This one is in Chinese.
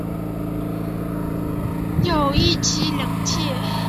有一妻两妾。